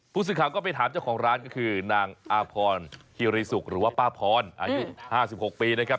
ผู้สื่อข่าวก็ไปถามเจ้าของร้านก็คือนางอาพรคิริสุกหรือว่าป้าพรอายุ๕๖ปีนะครับ